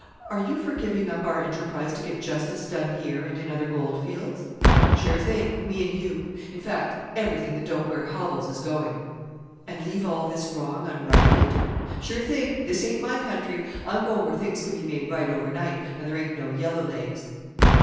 Are you for giving up our enterprise to get justice done here and in other goldfields?" "Sure thing, me and Hugh, in fact, everything that don't wear hobbles is going." "And leave all this wrong unrighted?" "Sure thing; this ain't my country. I'm going where things can be made right overnight, and there ain't no yellow legs."